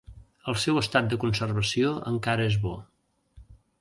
El seu estat de conservació encara és bo.